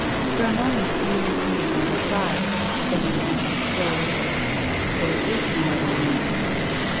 For a moment Uniacke made no reply. Then he answered slowl}' :" There is no other name."